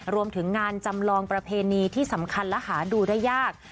รวมถึงงานจำลองประเพณีที่สำคัญและหาดูได้ยาก